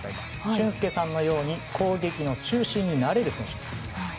俊輔さんのように攻撃の中心になれる選手です。